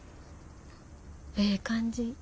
ええ感じ。